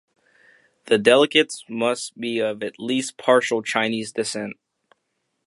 The delegates must be of at least partial Chinese descent.